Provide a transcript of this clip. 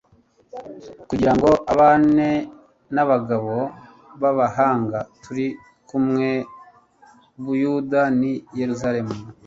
kugira ngo abane n'abagabo b'abahanga turi kumwe i buyuda n'i yerusalemu